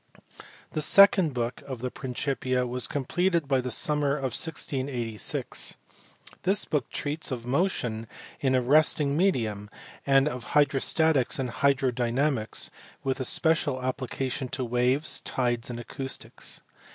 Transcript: The second book of the Principia was completed by the summer of 1686. This book treats of motion in a resisting medium, and of hydrostatics and hydrodynamics, with special applications to waves, tides, and acoustics.